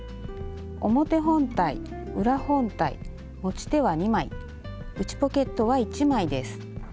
表本体裏本体持ち手は２枚内ポケットは１枚です。